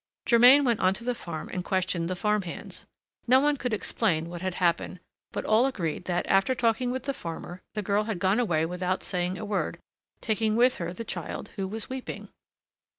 Germain went on to the farm and questioned the farm hands. No one could explain what had happened; but all agreed that, after talking with the farmer, the girl had gone away without saying a word, taking with her the child, who was weeping.